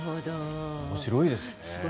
面白いですね。